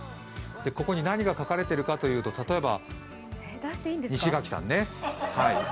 ここに何が書かれているかというと、例えば西垣さんね。